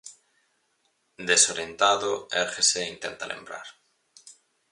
Desorientado, érguese e intenta lembrar...